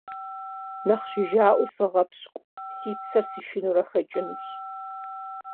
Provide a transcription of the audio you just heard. Нэхъ жыжьэӀуэу сыгъэпщкӀу, си псэр сышынэурэ хэкӀынущ.